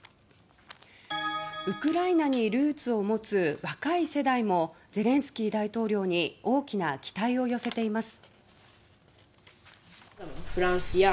ウクライナにルーツを持つ若い世代もゼレンスキー大統領に大きな期待を寄せています。